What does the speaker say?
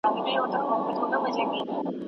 که موږ خپله ژبه وساتو نو تاریخ مو نه ورکيږي.